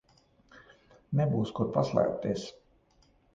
Nebūs kur paslēpties.